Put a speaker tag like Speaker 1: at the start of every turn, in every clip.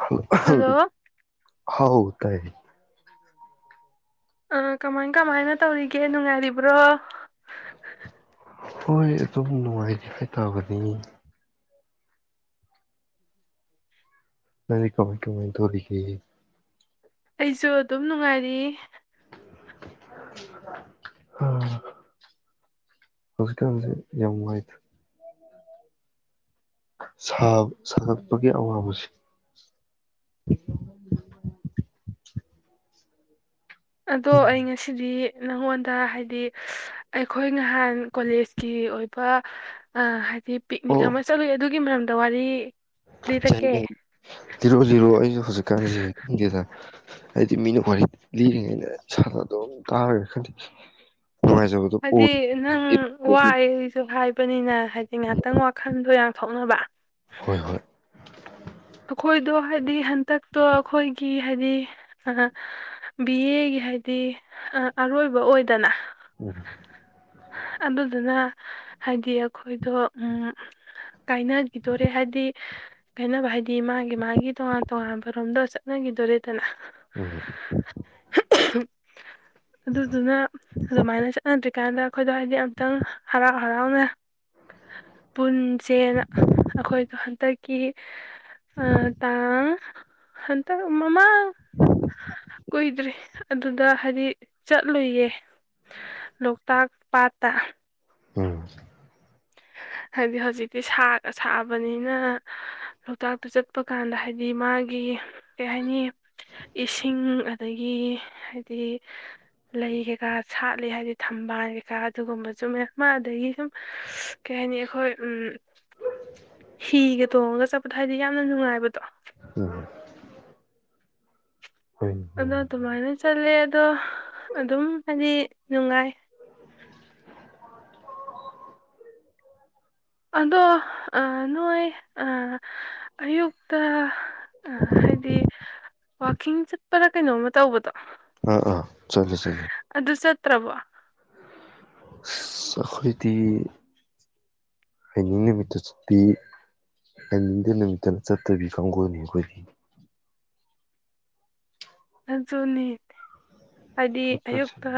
Speaker 1: ꯍ ꯑꯍꯝ
Speaker 2: ꯍꯜꯂꯣ
Speaker 1: ꯍꯥꯎ ꯇꯥꯏ
Speaker 2: ꯑ ꯀꯃꯥꯏ ꯀꯃꯥꯏꯅ ꯇꯧꯔꯤꯒꯦ ꯅꯨꯡꯉꯥꯏꯔꯤꯕ꯭ꯔꯣ
Speaker 1: ꯍꯣꯏ ꯑꯗꯨꯝ ꯅꯨꯡꯉꯥꯏꯔꯤ ꯍꯥꯏꯇꯥꯕꯅꯤ ꯅꯪꯗꯤ ꯀꯃꯥꯏ ꯀꯃꯥꯏ ꯇꯧꯔꯤ ꯒꯦ
Speaker 2: ꯑꯩꯖꯨ ꯑꯗꯨꯝ ꯅꯨꯡꯉꯥꯏꯔꯤ
Speaker 1: ꯍ ꯍꯧꯖꯤꯛꯀꯟꯖꯦ ꯌꯥꯝ ꯋꯥꯏꯗ ꯁꯥꯕ ꯁꯥꯒꯠꯄꯒꯤ ꯑꯋꯥꯕꯁꯤ
Speaker 2: ꯑꯗꯣ ꯑꯩ ꯉꯁꯤꯗꯤ ꯅꯉꯣꯟꯗ ꯍꯥꯏꯗꯤ ꯑꯩꯈꯣꯏ ꯉꯥꯍꯥꯟ ꯀꯣꯂꯦꯖꯀꯤ ꯑꯣꯏꯕ ꯑ ꯍ ꯄꯤ ꯄꯤꯛꯅꯤꯛ ꯑꯃ ꯆꯠꯂꯨꯏ ꯑꯗꯨꯒꯤ ꯃꯔꯝ ꯗꯋꯥꯔꯤ
Speaker 1: ꯆꯠꯅꯦ ꯂꯤꯔꯣ ꯂꯤꯔꯣ ꯑꯩꯖꯨ ꯍꯧꯖꯤꯛꯀꯥꯟꯖꯦ ꯈꯪꯗꯦꯗ ꯑꯩꯗꯤ ꯃꯤꯅ ꯋꯥꯔꯤꯉꯩꯗ ꯁꯥ ꯗꯨꯝ ꯇꯥꯔꯒ ꯈꯪꯗꯦ ꯅꯨꯡꯉꯥꯏꯖꯕꯗꯣ ꯑꯣꯏ
Speaker 2: ꯍꯥꯏꯗꯤ ꯅꯪ ꯋꯥꯏꯖꯨ ꯍꯥꯏꯕꯅꯤꯅ ꯍꯥꯏꯗꯤ ꯉꯥꯏꯍꯥꯛꯇꯪ ꯋꯥꯈꯜꯗꯣ ꯌꯥꯡꯊꯣꯛꯅꯕ
Speaker 1: ꯍꯣꯏ ꯍꯣꯏ
Speaker 2: ꯈꯣꯏꯗꯣ ꯍꯥꯏꯗꯤ ꯍꯟ ꯗꯛꯇꯣ ꯑꯈꯣꯏꯒꯤ ꯍꯥꯏꯗꯤ ꯑ ꯕꯤ ꯑꯦꯒꯤ ꯍꯥꯏꯗꯤ ꯑ ꯑꯔꯣꯏꯕ ꯑꯣꯏꯗꯅ
Speaker 1: ꯎꯝ
Speaker 2: ꯑꯗꯨꯗꯨꯅ ꯍꯥꯏꯗꯤ ꯑꯈꯣꯏꯗꯣ ꯎꯝ ꯀꯥꯏꯅꯒꯤꯗꯣꯔꯦ ꯍꯥꯏꯗꯤ ꯀꯥꯏꯅꯕ ꯍꯥꯏ ꯒꯤ ꯃꯥꯒꯤ ꯃꯥꯒꯤ ꯇꯣꯉꯟ ꯇꯣꯍꯝꯕ ꯔꯣꯝꯗ ꯆꯠꯅꯒꯤꯗꯣꯔꯦ ꯗꯅ
Speaker 1: ꯎꯝ
Speaker 2: ꯑꯗꯨꯗꯨꯅ ꯑꯗꯨꯃꯥꯏꯅ ꯆꯠꯅꯗ꯭ꯔꯤ ꯀꯥꯟꯗ ꯈꯣꯏꯗꯣ ꯍꯥꯏꯗꯤ ꯃꯝꯇꯪ ꯍꯔꯥꯎ ꯍꯔꯧꯅ ꯄꯨꯟꯁꯦꯅ ꯑꯈꯣꯏꯗꯣ ꯍꯟꯇꯛ ꯀꯤ ꯑ ꯇꯥꯡ ꯍꯟꯇ ꯃꯃꯥꯡ ꯑ ꯀꯣꯏꯗ꯭ꯔꯤ ꯑꯗꯨꯗ ꯍꯥꯏꯗꯤ ꯆꯠꯂꯨꯌꯦ ꯂꯣꯛꯇꯥꯛ ꯄꯥꯠꯇ
Speaker 1: ꯎꯝ
Speaker 2: ꯍꯥꯏꯗꯤ ꯍꯧꯖꯤꯛꯇꯤ ꯁꯥꯔ ꯁꯥꯑꯕꯅꯤꯅ ꯂꯣꯛꯇꯥꯛꯇꯨ ꯆꯠꯄ ꯀꯥꯟꯗ ꯍꯥꯏꯗꯤ ꯃꯥꯒꯤ ꯀꯩ ꯍꯥꯏꯅꯤ ꯏꯁꯤꯡ ꯑꯗꯒꯤ ꯍꯥꯏꯗꯤ ꯂꯩ ꯀꯩꯀꯥ ꯁꯥꯠꯂꯤ ꯍꯥꯏꯕꯗꯤ ꯊꯝꯕꯥꯜ ꯀꯩꯀꯥ ꯑꯗꯨꯒꯨꯝꯕ ꯆꯨꯝꯃꯦ ꯃꯥ ꯑꯗꯒꯤ ꯁꯨꯝ ꯀꯩ ꯍꯥꯏꯅꯤ ꯑꯩꯈꯣꯏ ꯎꯝ ꯍꯤꯒ ꯇꯣꯡꯉꯒ ꯆꯠꯄꯗꯣ ꯍꯥꯏꯗꯤ ꯌꯥꯝꯅ ꯅꯨꯡꯉꯥꯏꯕꯗꯣ
Speaker 1: ꯎꯝ ꯍꯣꯏ
Speaker 2: ꯑ
Speaker 1: ꯅꯨꯡꯉꯥꯏ
Speaker 2: ꯇꯃꯥꯏꯅ ꯆꯂꯦ ꯑꯗꯣ ꯑꯗꯨꯝ ꯍꯥꯏꯗꯤ ꯅꯨꯡꯉꯥꯏ ꯑꯗꯣ ꯅꯣꯏ ꯑꯌꯨꯛꯇ ꯑ ꯍꯥꯏꯗꯤ ꯋꯥꯀꯤꯡ ꯄꯨꯔꯥ ꯀꯩꯅꯣꯝꯃ ꯇꯧꯕꯗꯣ
Speaker 1: ꯑꯥ ꯑꯥ ꯆꯠꯂꯤ ꯆꯠꯂꯤ
Speaker 2: ꯇ꯭ꯔꯕ
Speaker 1: ꯑꯁ ꯑꯩꯈꯣꯏꯗꯤ ꯑꯅꯤꯡ ꯅꯨꯃꯤꯠꯇ ꯆꯠꯄꯤ ꯑꯅꯤꯡꯗ ꯅꯨꯃꯤꯠꯇꯅ ꯆꯠꯇꯕꯤ ꯀꯥꯡꯕꯨꯅꯤ ꯑꯩꯈꯣꯏꯗꯤ
Speaker 2: ꯑꯖꯨꯅꯤ ꯍꯥꯏꯗꯤ
Speaker 1: ꯆꯠꯄꯁꯦ
Speaker 2: ꯑꯌꯨꯛꯇ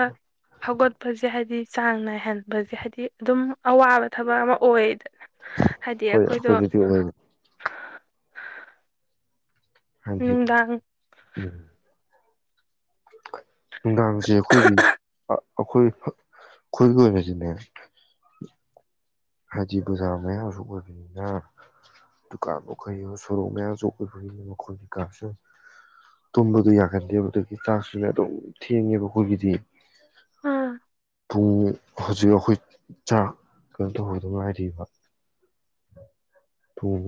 Speaker 2: ꯍꯧꯒꯠꯄꯁꯦ ꯍꯥꯏꯕꯗꯤ ꯆꯥꯡ ꯅꯥꯏꯍꯟꯕꯁꯦ ꯍꯥꯏꯗꯤ ꯑꯗꯨꯝ ꯑꯋꯥꯕ ꯊꯕꯛ ꯑꯃ ꯑꯣꯏꯌꯦꯗ
Speaker 1: ꯍꯣꯏ ꯑꯩꯈꯣꯏ ꯑꯗꯨꯗꯤ ꯑꯣꯏꯅꯦ ꯍꯖꯤ
Speaker 2: ꯅꯨꯡꯗꯥꯡ
Speaker 1: ꯎꯝ ꯅꯨꯡꯗꯥꯡꯁꯦ ꯑꯩꯈꯣꯏꯒꯤ ꯑꯣꯈꯣꯏ ꯈꯣꯏ ꯀꯁꯤ ꯍꯥꯏꯗꯤ ꯕꯖꯥꯔ ꯃꯌꯥꯝ ꯑꯁꯨ ꯑꯣꯏꯕꯅꯤꯅ ꯗꯨꯀꯥꯟ ꯃꯈꯣꯏ ꯁꯣꯔꯣꯛ ꯃꯌꯥꯝꯁꯨ ꯑꯣꯏꯕꯅꯤꯅ ꯃꯈꯣꯏꯒꯤꯩꯀꯥꯁꯨ ꯇꯨꯝꯕꯗꯣ ꯌꯥꯒꯟꯗꯦꯕꯗꯒꯤ ꯆꯥꯛꯁꯤꯅ ꯑꯗꯨꯝ ꯊꯦꯡꯉꯦꯕ ꯑꯩꯈꯣꯏꯒꯤꯗꯤ
Speaker 2: ꯑꯥ
Speaker 1: ꯄꯨꯡ ꯍꯧꯖꯤꯛ ꯑꯩꯈꯣꯏ ꯆꯥꯛ ꯑꯗꯨ ꯑꯗꯨ ꯉꯥꯏꯔꯤꯕ ꯄꯨꯡ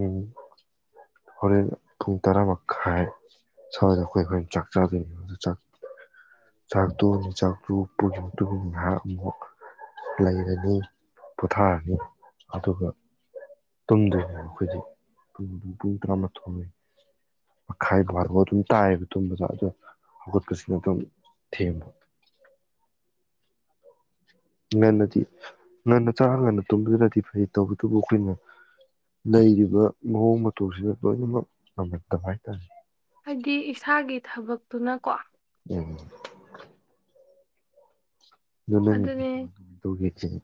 Speaker 1: ꯍꯣꯔꯦꯟ ꯄꯨꯡ ꯇꯔꯥꯃꯈꯥꯏ ꯁꯋꯥꯏꯗ ꯑꯩꯈꯣꯏ ꯍꯣꯔꯦꯟ ꯆꯥꯛ ꯆꯥꯗꯣꯏꯅꯤ ꯑꯗꯨ ꯆꯥꯛ ꯆꯥꯛ ꯇꯣꯛꯅꯤ ꯆꯥꯛ ꯄꯨ ꯇ ꯉꯍꯥꯛ ꯑꯃꯨꯛ ꯂꯩꯔꯅꯤ ꯄꯣꯊꯥꯔꯅꯤ ꯑꯗꯨꯒ ꯇꯨꯝꯗꯣꯏꯅꯦ ꯑꯩꯈꯣꯏꯗꯤ ꯄꯨꯡ ꯇꯔꯥꯃꯥꯊꯣꯏ ꯃꯈꯥꯏ ꯕꯥꯔ ꯐꯥꯎ ꯑꯗꯨꯝ ꯇꯥꯏꯑꯕ ꯇꯨꯝꯕꯗ ꯑꯗꯨꯗꯣ ꯍꯧꯒꯠꯄꯁꯤꯅ ꯑꯗꯨꯝ ꯊꯦꯝꯕ ꯉꯟꯅꯗꯤ ꯉꯟꯅ ꯆꯔ ꯉꯟꯅ ꯇꯨꯝꯕꯗꯨꯅꯗꯤ ꯐꯩ ꯇꯧꯕꯇꯕꯨ ꯑꯩꯈꯣꯏꯅ ꯂꯩꯔꯤꯕ ꯃꯑꯣꯡ ꯃꯇꯧꯁꯤꯗ ꯂꯣꯏꯅꯃꯛ ꯉꯝꯍꯟꯗꯕ ꯍꯥꯏꯇꯥꯔꯦ
Speaker 2: ꯍꯥꯏꯗꯤ ꯏꯁꯥꯒꯤ ꯊꯕꯛꯇꯨꯅꯀꯣ
Speaker 1: ꯎꯝ ꯑꯗꯨ ꯅꯪ ꯅꯨꯄꯤ
Speaker 2: ꯑꯗꯨꯅꯦ
Speaker 1: ꯀꯃꯥꯏ ꯀꯃꯥꯏ ꯇꯧꯒꯦ ꯎ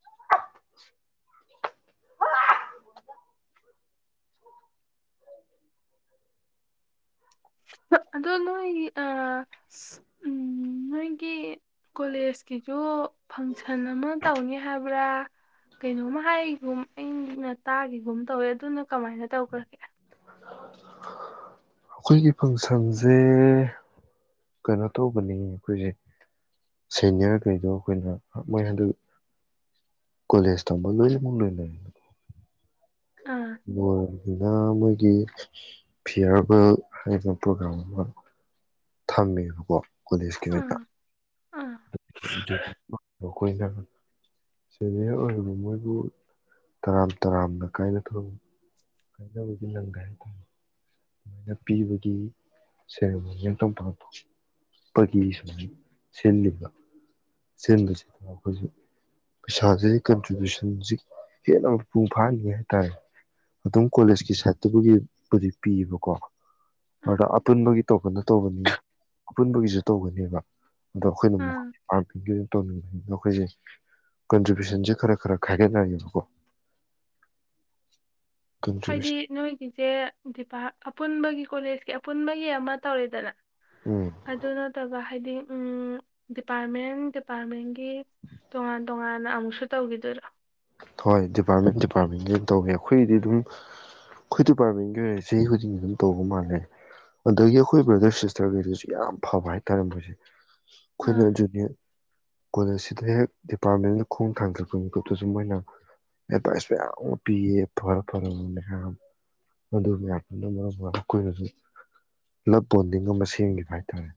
Speaker 1: ꯍ
Speaker 2: ꯑꯗꯣ ꯅꯣꯏ ꯑ ꯎꯝ ꯅꯣꯏꯒꯤ ꯀꯣꯂꯦꯖꯀꯤꯖꯨ ꯐꯪꯁꯟ ꯑꯃ ꯇꯧꯅꯤ ꯍꯥꯏꯕ꯭ꯔꯥ ꯀꯩꯅꯣꯝꯃ ꯍꯥꯏꯒꯨꯝ ꯑꯩꯅ ꯇꯥꯒꯤꯒꯨꯝ ꯇꯧꯋꯦ ꯑꯗꯨꯅ ꯀꯃꯥꯏꯅ ꯇꯧꯈ꯭ꯔꯒꯦ
Speaker 1: ꯑꯩꯈꯣꯏꯒꯤ ꯐꯪꯁꯟꯁꯦ ꯀꯩꯅꯣ ꯇꯧꯕꯅꯤ ꯑꯩꯈꯣꯏꯁꯦ ꯁꯦꯅꯤꯌꯔꯈꯩꯗꯣ ꯑꯩꯈꯣꯏꯅ ꯃꯣꯏ ꯍꯟꯗꯛ ꯀꯣꯂꯦꯖ ꯇꯝꯕ ꯂꯣꯏꯅꯃꯛ ꯂꯣꯏꯅꯔꯦ
Speaker 2: ꯑꯥ
Speaker 1: ꯍꯣꯏ ꯑꯗꯨꯅ ꯃꯣꯏꯒꯤ ꯐꯤꯌꯥꯔꯋꯦꯜ ꯍꯥꯏꯅ ꯄ꯭ꯔꯣꯒ꯭ꯔꯥꯝ ꯑꯃ ꯊꯝꯃꯦꯕꯀꯣ ꯀꯣꯂꯦꯖꯀꯤꯗꯩꯗ
Speaker 2: ꯑꯥ ꯑꯥ
Speaker 1: ꯑꯩꯈꯣꯏ ꯁꯦꯅꯤꯌꯔ ꯑꯣꯏꯔꯤꯕ ꯃꯣꯏꯕꯨ ꯇꯔꯥꯝ ꯇꯔꯥꯝꯅ ꯀꯥꯏꯅ ꯊ ꯀꯖ ꯍꯧꯖꯤ ꯅꯪꯒꯥ ꯇ ꯁꯨꯃꯥꯏꯅ ꯄꯤꯕꯒꯤ ꯁꯦꯔꯃꯣꯅꯤ ꯑꯃꯇꯪ ꯄꯥꯡꯊꯣꯛꯄꯒꯤ ꯁꯨꯃꯥꯏꯅ ꯁꯤꯜꯂꯤꯕ ꯁꯤꯕꯁꯤꯗ ꯑꯩꯈꯣꯏꯁꯨ ꯄꯩꯁꯥꯁꯦ ꯀꯟꯇ꯭ꯔꯤꯕ꯭ꯌꯨꯁꯟꯁꯤ ꯍꯦꯟꯅ ꯃꯄꯨꯡ ꯐꯥꯍꯟꯅꯤꯡꯉꯦ ꯍꯥꯏꯇꯥꯥꯔꯦ ꯑꯗꯨꯝ ꯀꯣꯂꯦꯖꯀꯤ ꯁꯥꯏꯠꯇꯕꯨꯒꯤ ꯄꯤꯌꯦꯕꯀꯣ ꯑꯗꯨꯗ ꯑꯄꯨꯟꯕꯒꯤ ꯇꯣꯄꯟꯅ ꯇꯧꯒꯅꯤ ꯑꯄꯨꯟꯕꯒꯤꯁꯨ ꯇꯧꯒꯅꯦꯕ ꯑꯗꯣ ꯑꯩꯈꯣꯏꯅ
Speaker 2: ꯑꯥ
Speaker 1: ꯃꯈꯣꯏꯒꯤ ꯃꯔꯛꯇꯒꯤ ꯑꯃꯨꯛ ꯇꯧꯅꯤꯡꯕ ꯃꯈꯣꯏꯖꯦ ꯀꯟꯇ꯭ꯔꯤꯕ꯭ꯌꯨꯁꯟꯁꯦ ꯈꯔ ꯈꯔ ꯈꯥꯏꯒꯠꯅꯌꯦꯕꯀꯣ
Speaker 2: ꯍꯥꯏꯗꯤ ꯅꯣꯏꯒꯤꯖꯦ ꯑꯄꯨꯟꯕꯒꯤ ꯀꯣꯂꯦꯖꯀꯤ ꯑꯄꯨꯟꯕꯒꯤ ꯑꯃ ꯇꯧꯔꯦꯗꯅ
Speaker 1: ꯎꯝ
Speaker 2: ꯑꯗꯨ ꯅꯠꯇꯕꯥ ꯍꯥꯏꯗꯤ ꯎꯝ ꯗꯤꯄꯥꯔꯠꯃꯦꯟ ꯗꯤꯄꯥꯔꯠꯃꯦꯟꯒꯤ ꯇꯣꯉꯥꯟ ꯇꯣꯉꯥꯟꯅ ꯑꯃꯨꯛꯁꯨ ꯇꯧꯈꯤꯗꯣꯏꯔꯥ
Speaker 1: ꯍꯣꯏ ꯗꯤꯄꯥꯔꯠꯃꯦꯟ ꯗꯤꯄꯥꯔꯠꯃꯦꯟꯒꯤ ꯑꯗꯨꯝ ꯇꯧꯋꯦ ꯑꯩꯈꯣꯏꯒꯤꯗꯤ ꯑꯗꯨꯝ ꯑꯩꯈꯣꯏ ꯗꯤꯄꯥꯔꯠꯃꯦꯟꯒꯤ ꯑꯣꯏꯔꯗꯤ ꯆꯍꯤ ꯈꯨꯗꯤꯡꯒꯤ ꯑꯗꯨꯝ ꯇꯧꯕ ꯃꯥꯜꯂꯦ ꯑꯗꯒꯤ ꯑꯩꯈꯣꯏ ꯕ꯭ꯔꯗꯔ ꯁꯤꯁꯇꯔꯈꯩꯗꯨꯁꯨ ꯌꯥꯝ ꯐꯕ ꯍꯥꯏꯇꯥꯥꯔꯦ ꯃꯣꯏꯁꯦ ꯈꯣꯏꯅꯥ
Speaker 2: ꯑꯥ
Speaker 1: ꯖꯨꯅꯤꯌꯔ ꯀꯣꯂꯖ ꯑꯁꯤꯗ ꯍꯦꯛ ꯗꯤꯄꯥꯔꯠꯃꯦꯟꯗ ꯈꯣꯡ ꯊꯥꯡꯖꯤꯂꯛꯄꯒꯤ ꯃꯤꯀꯨꯞꯇꯨꯁꯨ ꯃꯣꯏꯅ ꯑꯦꯗꯚꯥꯏꯁ ꯃꯌꯥꯝ ꯑꯃ ꯄꯤꯌꯦ ꯐꯔ ꯐꯔ ꯑꯗꯨ ꯃꯌꯥꯝꯗꯨꯅ ꯃꯔꯝ ꯑꯣꯏꯔꯒ ꯑꯩꯈꯣꯏꯅꯁꯨ ꯂꯞ ꯕꯣꯟꯗꯤꯡ ꯑꯃ ꯁꯦꯝꯈꯤꯕ ꯍꯥꯏꯇꯥꯔꯦ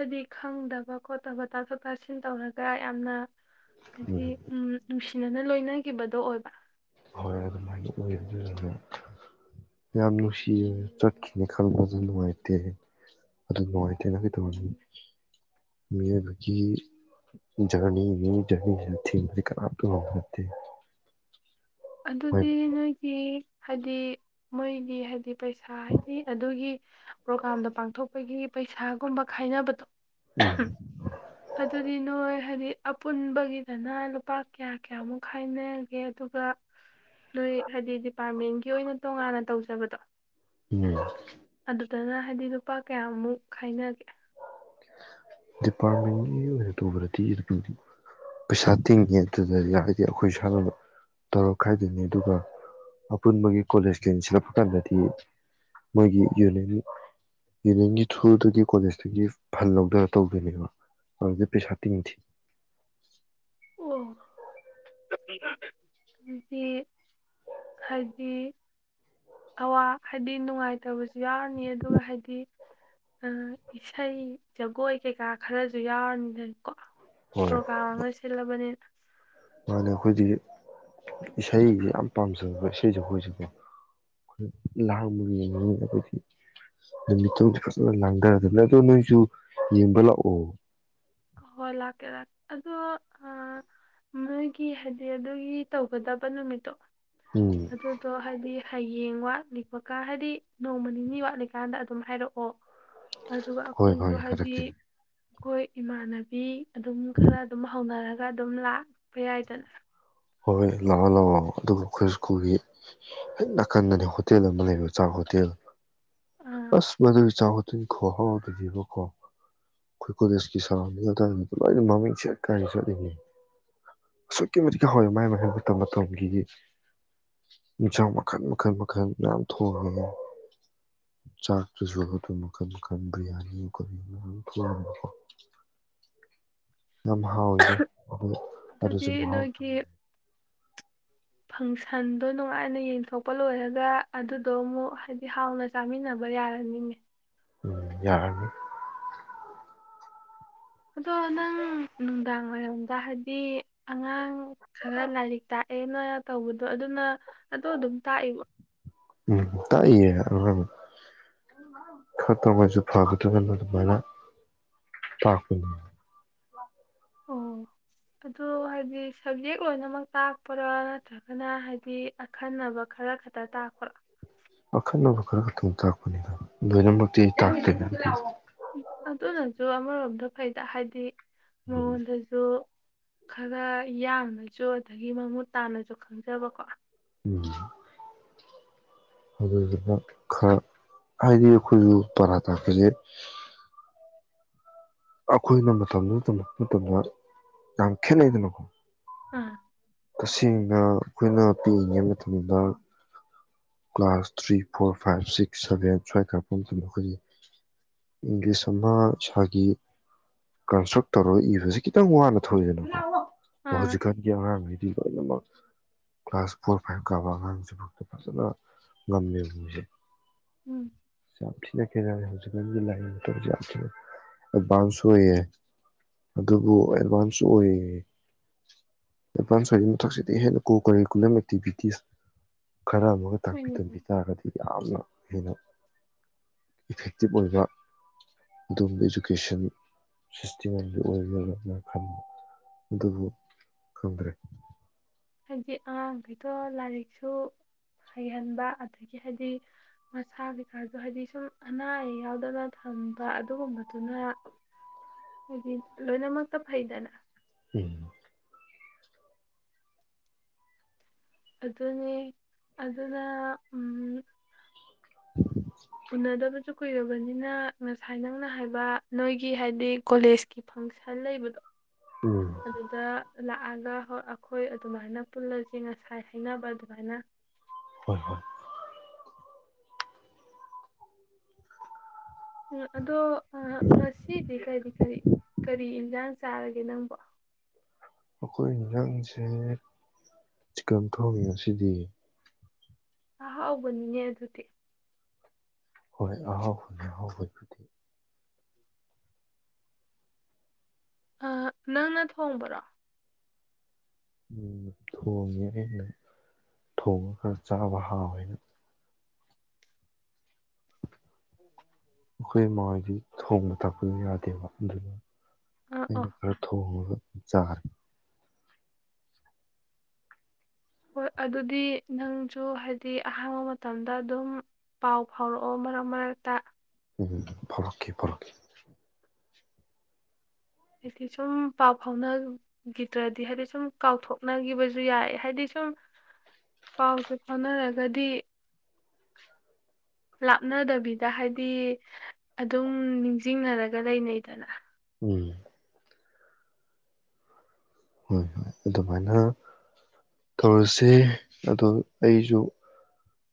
Speaker 2: ꯍꯥꯏꯗꯤ ꯈꯪꯗꯕ ꯈꯣꯠꯇꯕ ꯇꯥꯊꯣꯛ ꯇꯥꯁꯤꯟ ꯇꯧꯔꯒ ꯌꯥꯝꯅ ꯑꯗꯤ ꯎꯝ ꯅꯨꯡꯁꯤꯅꯅ ꯂꯣꯏꯅꯒꯤꯕꯗꯣ ꯑꯣꯏꯕ
Speaker 1: ꯍꯣꯏ ꯑꯗꯨꯃꯥꯏꯅ ꯑꯣꯏ ꯑꯗꯨꯅ ꯌꯥꯝ ꯅꯨꯡꯁꯤꯌꯦ ꯆꯠꯈꯤꯅꯤ ꯈꯟꯕꯗ ꯅꯨꯡꯉꯥꯏꯇꯦ ꯑꯗꯨ ꯅꯨꯡꯉꯥꯏꯇꯦꯅ ꯀꯩꯗꯧꯔꯅꯤ ꯃꯤꯑꯣꯏꯕꯒꯤ ꯖꯔꯅꯤ ꯖꯔꯅꯤꯁꯤꯤꯡꯕꯗꯤ ꯀꯅꯥꯝꯇꯦ
Speaker 2: ꯑꯗꯨꯗꯤ ꯅꯣꯏꯒꯤ ꯍꯥꯏꯗꯤ ꯃꯣꯏꯒꯤ ꯍꯥꯏꯗꯤ ꯄꯩꯁꯥ ꯍꯥꯏꯗꯤ ꯑꯗꯨꯒꯤ ꯄ꯭ꯔꯣꯒꯥꯝꯗꯣ ꯄꯥꯡꯊꯣꯛꯄꯒꯤ ꯄꯩꯁꯥꯒꯨꯝꯕ ꯈꯥꯏꯅꯕꯗꯣ
Speaker 1: ꯎꯝ
Speaker 2: [unintelligible] ꯑꯗꯨꯗꯤ ꯅꯣꯏ ꯍꯥꯏꯗꯤ ꯑꯄꯨꯟꯕꯒꯤꯗꯅ ꯂꯨꯄꯥ ꯀꯌꯥ ꯀꯌꯥꯃꯨꯛ ꯈꯥꯏꯅꯒꯦ ꯑꯗꯨꯒ ꯅꯣꯏ ꯍꯥꯏꯗꯤ ꯗꯤꯄꯥꯔꯠꯃꯦꯟꯒꯤ ꯑꯣꯏꯅ ꯇꯣꯉꯥꯟꯅ ꯇꯧꯖꯕꯗꯣ
Speaker 1: ꯎꯝ꯫
Speaker 2: ꯗꯅ ꯍꯥꯏꯗꯤ ꯂꯨꯄꯥ ꯀꯌꯥꯃꯨꯛ ꯈꯥꯏꯅꯒꯦ?
Speaker 1: ꯗꯤꯄꯥꯔꯠꯃꯦꯟꯒꯤ ꯑꯣꯏꯅ ꯇꯧꯕꯗꯗꯤ ꯄꯩꯁꯥ ꯇꯤꯡꯉꯦ ꯑꯗꯨꯗ ꯍꯥꯏꯗꯤ ꯑꯈꯣꯏ ꯁꯥꯟꯅꯕ ꯇꯧꯔ ꯈꯥꯏꯗꯣꯏꯅꯦ ꯑꯗꯨꯒ ꯑꯄꯨꯟꯕꯒꯤ ꯀꯣꯂꯦꯖꯀꯤ ꯑꯣꯏꯅ ꯁꯤꯜꯂꯛꯄ ꯀꯥꯟꯗꯗꯤ ꯃꯣꯏꯒꯤ ꯌꯨꯅꯤꯌꯟ ꯌꯨꯅꯤꯌꯟꯒꯤ ꯊ꯭ꯔꯨꯗꯒꯤ ꯀꯣꯂꯦꯖꯇꯒꯤ ꯐꯟ ꯂꯧꯗꯔ ꯇꯧꯗꯣꯏꯅꯦꯕ ꯑꯗꯨꯗꯤ ꯄꯩꯁꯥ ꯇꯤꯡꯗꯦ꯫
Speaker 2: ꯎ [unintelligible] ꯍꯥꯏꯗꯤ ꯑꯋꯥ ꯍꯥꯏꯗꯤ ꯅꯨꯡꯉꯥꯏꯇꯕꯁꯨ ꯌꯥꯎꯔꯅꯤ ꯑꯗꯨꯒ ꯍꯥꯏꯗꯤ ꯑ ꯏꯁꯩ ꯖꯒꯣꯏ ꯀꯩꯀꯥ ꯈꯔꯖꯨ ꯌꯥꯎꯔꯅꯤꯗꯀꯣ꯫ ꯄ꯭ꯔꯣꯒꯥꯝ ꯑꯃ ꯁꯤꯜꯂꯕꯅꯤꯅ
Speaker 1: ꯃꯥꯅ ꯑꯈꯣꯏꯗꯤ ꯏꯁꯩꯖꯦ ꯌꯥꯝ ꯄꯥꯝꯖꯕ ꯏꯁꯩ ꯁꯛꯄ ꯑꯣꯢꯖꯨ ꯀꯣ ꯑꯗꯨ ꯂꯥꯡꯕꯒ ꯌꯦꯡꯅ [unintelligible] ꯑꯈꯣꯏꯗꯤ ꯅꯨꯃꯤꯠꯇꯣ ꯐꯖꯅ ꯂꯥꯡꯗꯔꯗꯕꯅꯦ ꯑꯗꯣ ꯅꯣꯏꯖꯨ ꯌꯦꯡꯕ ꯂꯥꯛꯑꯣ꯫
Speaker 2: ꯍ ꯍꯣꯏ ꯂꯥꯛꯀꯦ ꯂꯥꯛꯀꯦ ꯑꯗꯣ ꯅꯣꯏꯒꯤ ꯍꯥꯏꯗꯤ ꯑꯗꯨꯒꯤ ꯇꯧꯒꯗꯕ ꯅꯨꯃꯤꯠꯇꯣ
Speaker 1: ꯎꯝ
Speaker 2: ꯑꯗꯨ ꯇꯣ ꯍꯥꯏꯗꯤ ꯍꯌꯦꯡ ꯋꯥꯠꯂꯤꯄꯀꯥ ꯍꯥꯏꯗꯤ ꯅꯣꯡꯃ ꯅꯤꯅꯤ ꯋꯥꯠꯂꯤꯀꯥꯟꯗ ꯑꯗꯨꯝ ꯍꯥꯏꯔꯛꯑꯣ ꯑꯗꯨꯒ
Speaker 1: ꯍꯣꯏ
Speaker 2: ꯑꯩꯈꯣꯏꯅꯁꯨ
Speaker 1: ꯍꯣꯏ
Speaker 2: ꯍꯥꯏꯗꯤ
Speaker 1: ꯍꯥꯏꯔꯛꯀꯦ
Speaker 2: ꯀꯣꯏ ꯏꯃꯥꯟ ꯕꯤ ꯑꯗꯨꯝ ꯈꯔ ꯑꯗꯨꯝ ꯍꯧꯅꯔ [unintelligible] ꯑꯗꯨꯝ ꯂꯥꯛꯄ ꯌꯥꯏꯗꯅ꯫
Speaker 1: ꯍꯣꯏ ꯂꯥꯛꯑꯣ ꯂꯥꯛꯑꯣ ꯑꯗꯨꯒꯕꯨ ꯈꯣꯢ ꯁ꯭ꯀꯨꯜꯒꯤ ꯍꯦꯛ ꯅꯥꯀꯟꯗꯅꯦ ꯍꯣꯇꯦꯜ ꯑꯃ ꯂꯩꯕ ꯆꯥꯛ ꯍꯣꯇꯦꯜ꯫
Speaker 2: ꯑꯥ
Speaker 1: ꯑꯁ ꯃꯗꯨ ꯆꯥ ꯑꯗꯨꯣ ꯍꯥꯎꯗꯣꯏꯕꯀꯣ ꯑꯩꯈꯣꯏ ꯀꯣꯂꯦꯖꯀꯤ ꯁꯔꯥꯎꯟꯗꯤꯡ ꯑꯗꯨ ꯂꯣꯏꯅ ꯃꯃꯤꯡ ꯁꯦꯠ ꯀꯥꯏꯅ ꯆꯠꯅꯤꯡꯉꯦ ꯑꯁꯨꯛꯀꯤ ꯃꯇꯛ ꯍꯣꯏ ꯃꯥꯏ ꯃꯥꯏꯩ ꯃꯇꯝ ꯃꯇꯝꯒꯤ ꯌꯦꯟꯁꯥꯡ ꯃꯈꯜ ꯃꯈꯜ ꯃꯈꯜ ꯃꯌꯥꯝ ꯊꯣꯡꯉꯦ ꯆꯥꯛꯇꯁꯨ ꯑꯗꯨ ꯃꯈꯟ ꯃꯈꯜ ꯕꯤ꯭ꯔꯌꯥꯅꯤ ꯀꯣꯕꯤ ꯃꯌꯥꯝ ꯊꯣꯡꯉꯦꯕ ꯌꯥꯝ ꯍꯥꯎꯋꯤꯗ
Speaker 2: ꯑꯗꯨꯗꯤ
Speaker 1: ꯑꯗꯨꯁꯨꯥꯎ
Speaker 2: ꯅꯣꯏꯒꯤ ꯐꯪꯁꯟꯗꯣ ꯅꯨꯡꯉꯥꯏꯅ ꯌꯦꯡꯊꯣꯛꯄ ꯂꯣꯏꯔꯒ ꯑꯗꯨꯗꯣ ꯑꯃꯨꯛ ꯍꯥꯏꯗꯤ ꯍꯥꯎꯅ ꯆꯥꯃꯤꯟꯅꯕ ꯌꯥꯔꯅꯤꯡꯉꯦ
Speaker 1: ꯎꯝ ꯌꯥꯔꯅꯤ
Speaker 2: ꯑꯗꯣ ꯅꯪ ꯅꯨꯡꯗꯥꯡ ꯋꯥꯏꯔꯝꯗ ꯍꯥꯏꯗꯤ ꯑꯉꯥꯡ ꯈꯔ ꯂꯥꯏꯔꯤꯛ ꯇꯥꯛꯑꯦ ꯅ ꯇꯧꯕꯗꯣ ꯑꯗꯨꯅ ꯑꯗꯣ ꯑꯗꯨꯝ ꯇꯥꯛꯏꯕ
Speaker 1: ꯎꯝ ꯇꯥꯛꯏꯌꯦ ꯑꯗꯨ ꯈꯔ ꯇꯧꯉꯩꯁꯨ ꯐꯒꯗꯒꯅ ꯑꯗꯨꯃꯥꯏꯅ ꯇꯥꯛꯄꯅꯤ
Speaker 2: ꯑꯣ ꯑꯗꯨ ꯍꯥꯏꯗꯤ ꯁꯕꯖꯦꯛ ꯂꯣꯏꯅꯃꯛ ꯇꯥꯛꯄ꯭ꯔꯥ ꯅꯠꯇ꯭ꯔꯒꯅ ꯍꯥꯏꯗꯤ ꯑꯈꯟꯅꯕ ꯈꯔ ꯈꯛꯇ ꯇꯥꯛꯄ꯭ꯔꯥ
Speaker 1: ꯑꯈꯟꯅꯕ ꯈꯔ ꯈ ꯊꯣꯡ ꯇꯥꯛꯄꯅꯤ ꯈ
Speaker 2: ꯎꯝ ꯑꯗꯨꯣ ꯅꯖꯨ ꯑꯃꯙ ꯀꯩꯗ ꯍꯥꯏꯗꯤ ꯃꯣꯏ ꯊꯣꯏꯖꯨ ꯈꯔ ꯌꯥꯡꯅꯁꯨ ꯑꯗꯨꯗꯒꯤ ꯃꯃꯨꯠ ꯇꯥꯅꯁꯨ ꯈꯪꯖꯕꯀꯣ
Speaker 1: ꯎꯝ ꯑꯗꯨꯗꯨꯅ ꯈꯔ ꯍꯥꯏꯗꯤ ꯑꯩꯈꯣꯏꯁꯨ ꯄꯔꯥ ꯇꯥꯀꯁꯦ ꯑꯩꯈꯣꯏꯅ ꯃꯇꯝꯗꯨꯗ ꯇꯝꯃꯛꯄ ꯃꯇꯝꯗ ꯌꯥꯝ ꯈꯦꯠꯅꯩꯗꯅꯀꯣ
Speaker 2: ꯑꯥ
Speaker 1: ꯇꯁꯦꯡꯅ ꯑꯩꯈꯣꯏꯅ ꯄꯤꯛꯏꯉꯩ ꯃꯇꯝꯗ class three four five six seven ꯁ꯭ꯋꯥꯏ ꯀꯥꯔꯛꯄ ꯃꯇꯝꯗ ꯑꯩꯈꯣꯏꯒꯤ ꯏꯪꯂꯤꯁ ꯑꯃ ꯏꯁꯥꯒꯤ ꯀꯟꯁꯇ꯭ꯔꯛ ꯇꯧꯔꯒ ꯏꯕꯁꯤ ꯈꯤꯇꯪ ꯋꯥꯅ ꯊꯧꯋꯏꯗꯅ ꯁꯍꯖꯤ
Speaker 2: ꯑꯥ
Speaker 1: ꯀꯥꯟ ꯀꯌꯥ ꯑꯃ ꯃꯤ ꯂꯣꯏꯅꯃꯛ ꯀ꯭ꯂꯥꯁ ꯐꯣꯔ ꯐꯥꯏꯚ ꯀꯥꯕ ꯑꯉꯥꯡꯁꯤꯐꯥꯎꯗ ꯐꯖꯅ ꯉꯝꯃꯦꯕꯥ ꯃꯣꯏꯖꯦ
Speaker 2: ꯎꯝ
Speaker 1: ꯆ ꯍꯧꯖꯤꯛꯀꯥꯟꯒꯤ ꯂꯥꯏꯔꯤꯁꯦ ꯌꯥꯝ ꯊꯤꯅ ꯑꯦꯗꯚꯥꯟꯁ ꯑꯣꯏꯌꯦ ꯑꯗꯨꯕꯨ ꯑꯦꯗꯚꯥꯟꯁ ꯑꯣꯏꯌꯦ ꯑꯦꯗꯚꯥꯟꯁ ꯑꯣꯏꯔꯤ ꯃꯊꯛꯁꯤꯗꯤ ꯍꯦꯟꯅ ꯀꯣ ꯀꯔꯤꯀꯨꯂꯝ ꯑꯦꯛꯇꯤꯚꯤꯇꯤꯁ ꯈꯔ ꯑꯃ
Speaker 2: ꯍꯣꯏꯅꯦ
Speaker 1: ꯄꯤꯇꯝꯕꯤ ꯇꯥꯔꯒꯗꯤ ꯌꯥꯝꯅ ꯍꯦꯟꯅ ꯏꯐꯦꯛꯇꯤꯞ ꯑꯣꯏꯕ ꯑꯗꯨꯒꯕ ꯏꯗꯨꯀꯦꯁꯟ ꯁꯤꯁꯇꯦꯝ ꯑꯃꯗꯤ ꯑꯣꯏꯒ꯭ꯔꯅ ꯈꯟꯕ ꯑꯗꯨꯕꯨ ꯈꯪꯗ꯭ꯔꯦ
Speaker 2: ꯍꯥꯏꯗꯤ ꯑꯉꯥꯡꯈꯩꯗꯣ ꯂꯥꯏꯔꯤꯛꯁꯨ ꯍꯩꯍꯟꯕ ꯑꯗꯒꯤ ꯍꯥꯏꯗꯤ ꯃꯁꯥ ꯀꯩꯀꯥꯁꯨ ꯍꯥꯏꯗꯤ ꯁꯨꯝ ꯑꯅꯥ ꯑꯌꯦꯛ ꯌꯥꯎꯗꯅ ꯊꯝꯕ ꯑꯗꯨꯒꯨꯝꯕꯗꯨꯅ ꯍꯥꯏꯗꯤ ꯂꯣꯏꯅꯃꯛꯇ ꯐꯩꯗꯅ
Speaker 1: ꯎꯝ
Speaker 2: ꯑꯗꯨꯅꯦ ꯑꯗꯨꯅ ꯎꯝ ꯎꯅꯗꯕꯁꯨ ꯀꯨꯏꯔꯕꯅꯤꯅ ꯉꯁꯥꯏ ꯅꯪꯅ ꯍꯥꯏꯕ ꯅꯣꯏꯒꯤ ꯍꯥꯏꯗꯤ ꯀꯣꯂꯦꯖꯀꯤ ꯐꯪꯁꯟ ꯂꯩꯕꯗꯣ
Speaker 1: ꯎꯝ
Speaker 2: ꯑꯗꯨꯗ ꯂꯥꯛꯑꯒ ꯍꯣ ꯑꯩꯈꯣꯏ ꯑꯗꯨꯃꯥꯏꯅ ꯄꯨꯜꯂꯁꯤ ꯉꯁꯥꯏ ꯍꯥꯏꯅꯕ ꯑꯗꯨꯃꯥꯏꯅ
Speaker 1: ꯍꯣꯏ ꯍꯣꯏ
Speaker 2: ꯎꯝ ꯑꯗꯣ ꯑ ꯉꯁꯤ ꯀꯔꯤ ꯀꯔꯤ ꯀꯔꯤ ꯏꯟꯖꯥꯡ ꯆꯥꯔꯒꯦ ꯅꯪꯕꯨ
Speaker 1: ꯑꯩꯈꯣꯏ ꯏꯟꯖꯥꯡꯁꯦ ꯆꯤꯀꯟ ꯊꯣꯡꯉꯦ ꯑꯁꯤꯗꯤ
Speaker 2: ꯑꯍꯥꯎꯕꯅꯤꯅꯦ ꯑꯗꯨꯗꯤ
Speaker 1: ꯍꯣꯏ ꯑꯍꯥꯎ ꯑꯍꯥꯎꯕꯗꯨꯗꯤ
Speaker 2: ꯑ ꯅꯪꯅ ꯊꯣꯡꯕꯔꯣ
Speaker 1: ꯎꯝ ꯊꯣꯡꯉꯦ ꯑꯩꯅ ꯊꯣꯡꯉꯒ ꯆꯥꯕ ꯍꯥꯎꯋꯦꯅ
Speaker 2: [unintelligible]
Speaker 1: ꯑꯩꯈꯣꯏ ꯃꯥ ꯍꯣꯏꯗꯤ ꯊꯣꯡꯕ ꯊꯥꯛꯄꯗꯤ ꯌꯥꯗꯦꯕ ꯑꯗꯨꯅ
Speaker 2: ꯑꯥ ꯑꯥ
Speaker 1: ꯑꯩꯅ ꯈꯔ ꯊꯣꯡꯉꯒ ꯆꯔꯦ
Speaker 2: ꯍꯣꯏ ꯑꯗꯨꯗꯤ ꯅꯪꯖꯨ ꯍꯥꯏꯗꯤ ꯑꯍꯥꯡꯕ ꯃꯇꯝꯗ ꯑꯗꯨꯝ ꯄꯥꯎ ꯐꯥꯎꯔꯛꯑꯣ ꯃꯔꯛ ꯃꯔꯛꯇ
Speaker 1: ꯎꯝ ꯐꯥꯎꯔꯛꯀꯦ ꯐꯥꯎꯔꯛꯀꯦ
Speaker 2: ꯍꯥꯏꯗꯤ ꯁꯨꯝ ꯄꯥꯎ ꯐꯥꯎꯅꯈꯤꯗ꯭ꯔꯗꯤ ꯍꯥꯏꯗꯤ ꯁꯨꯝ ꯀꯥꯎꯊꯣꯛꯅꯈꯤꯕꯁꯨ ꯌꯥꯏ ꯍꯥꯏꯗꯤ ꯁꯨꯝ ꯄꯥꯎꯁꯦ ꯐꯥꯎꯅꯔꯒꯗꯤ ꯂꯥꯞꯅꯗꯕꯤꯗ ꯍꯥꯏꯗꯤ ꯑꯗꯨꯝ ꯅꯤꯡꯁꯤꯡꯅꯔꯒ ꯂꯩꯅꯩꯗꯅ
Speaker 1: ꯎꯝ ꯍꯣꯏ ꯍꯣꯏ ꯑꯗꯨꯃꯥꯏꯅꯥ ꯇꯧꯔꯁꯦ ꯑꯗꯣ ꯑꯩꯖꯨ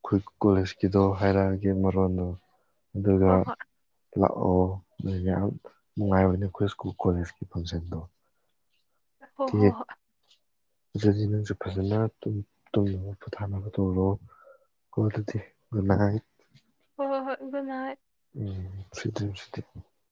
Speaker 1: ꯑꯩꯈꯣꯏ ꯀꯣꯂꯦꯖꯀꯤꯗꯣ ꯍꯥꯏꯔꯛꯑꯒꯦ ꯃꯔꯣꯟꯗꯣ ꯑꯗꯨꯒ
Speaker 2: ꯍꯣꯏ ꯍꯣꯏ
Speaker 1: ꯂꯥꯛꯑꯣ ꯌꯥꯝ ꯅꯨꯡꯉꯥꯏꯕꯅꯦ ꯑꯩꯈꯣꯏ ꯁ꯭ꯀꯨꯜ ꯀꯣꯂꯦꯖꯀꯤ ꯐꯪꯁꯟꯗꯣ
Speaker 2: ꯍꯣ
Speaker 1: ꯑꯣꯀꯦ
Speaker 2: ꯍꯣ ꯍꯣꯏ
Speaker 1: ꯑꯗꯨꯗꯤ ꯅꯪꯖꯨ ꯐꯖꯅ ꯇꯨꯝꯅꯕ ꯄꯣꯊꯥꯅꯕ ꯇꯧꯔꯣ [unintelligible] ꯒꯨꯗ ꯅꯥꯏꯠ
Speaker 2: ꯍꯣꯏ ꯍꯣꯏ ꯍꯣꯏ ꯒꯨꯠ ꯅꯥꯏꯇ
Speaker 1: ꯎꯝ ꯁꯋꯤꯠ ꯗꯔꯤꯝꯁ